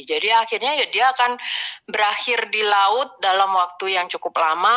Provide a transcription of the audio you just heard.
jadi akhirnya ya dia akan berakhir di laut dalam waktu yang cukup lama